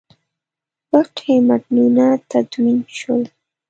فقهي متنونه تدوین شول.